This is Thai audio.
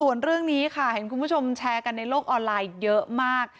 ส่วนเรื่องนี้ค่ะเห็นคุณผู้ชมแชร์กันในโลกออนไลน์เยอะมาก